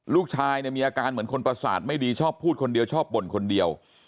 ลูกชายเนี่ยมีอาการเหมือนคนประสาทไม่ดีชอบพูดคนเดียวชอบบ่นคนเดียว